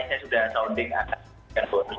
saya sudah sounding akan memberikan bonus